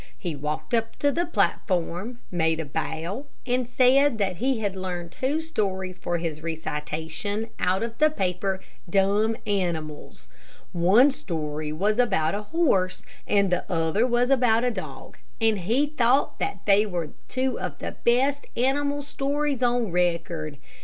He walked up to the platform, made a bow, and said that he had learned two stories for his recitation, out of the paper, "Dumb Animals." One story was about a horse, and the other was about a dog, and he thought that they were two of the best animal stories on record.